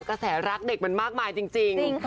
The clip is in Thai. กระแสรักเด็กมันมากมายจริง